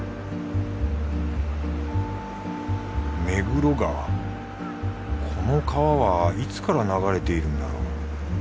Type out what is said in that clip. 目黒川この川はいつから流れているんだろう。